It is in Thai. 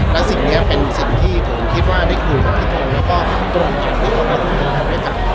แล้วสิ่งเนี่ยเป็นสิ่งที่ผมคิดว่าได้คุยกับพี่โทมแล้วก็ตัวเองที่เขาก็คุยกับพี่โทมด้วยกัน